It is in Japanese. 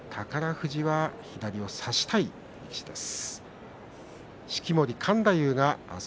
富士は左を差したい力士です。